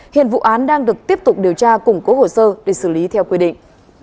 hiện vụ án đang được tiếp tục điều tra củng cố hồ sơ để xử lý theo quy định